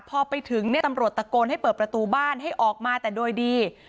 พอไปถึงเนี่ยตำรวจตะโกนให้เปิดประตูบ้านให้ออกมาแต่โดยดี